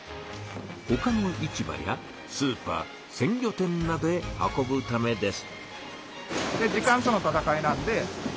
ほかの市場やスーパー鮮魚店などへ運ぶためです。